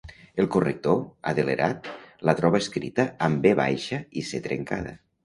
El corrector, adelerat, la troba escrita amb be baixa i ce trencada.